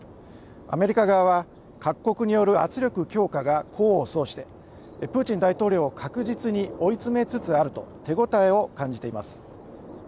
アメリカ側は各国による圧力強化が功を奏してプーチン大統領を確実に追い詰めつつあると手応えを感じています。